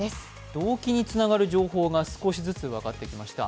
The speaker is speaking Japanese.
動機につながる情報が少しずつ分かってきました。